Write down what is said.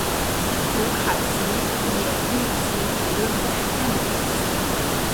卢卡奇也虑及理论与实践的联系。